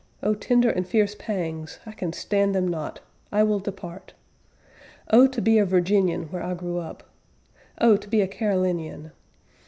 O tender and fierce pangs, I can stand them not, I will depart; O to be a Virginian where I grew up! O to be a Carolinian!